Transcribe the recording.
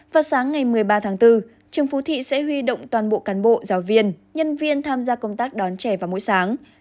vào sáng ngày một mươi ba tháng bốn trường phú thị sẽ huy động toàn bộ cán bộ giáo viên nhân viên tham gia công tác đón trẻ vào buổi sáng